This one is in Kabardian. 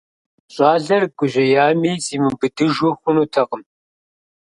ЩӀалэр гужьеями, зимыубыдыжу хъунутэкъым.